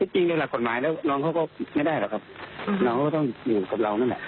จริงในหลักกฎหมายแล้วน้องเขาก็ไม่ได้หรอกครับน้องก็ต้องอยู่กับเรานั่นแหละ